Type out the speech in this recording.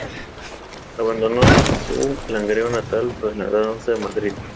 Abandonó su Langreo natal, trasladándose a Madrid.